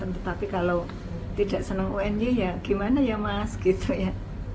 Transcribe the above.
tetapi kalau tidak senang unj ya gimana ya mas gitu ya